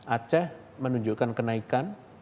aceh menunjukkan kenaikan